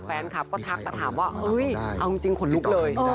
แฟนคลับก็ทักแต่ถามว่าเอาจริงขนลุกเลย